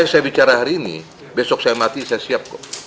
saya bicara hari ini besok saya mati saya siap kok